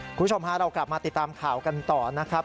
คุณผู้ชมฮะเรากลับมาติดตามข่าวกันต่อนะครับ